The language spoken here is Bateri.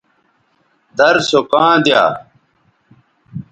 در سو کاں دیا